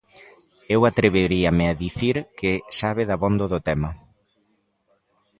Eu atreveríame a dicir que sabe dabondo do tema.